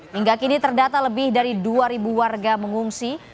hingga kini terdata lebih dari dua warga mengungsi